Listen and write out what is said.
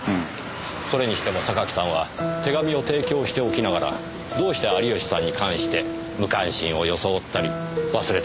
それにしても榊さんは手紙を提供しておきながらどうして有吉さんに関して無関心を装ったり忘れたふりをするのでしょうねえ？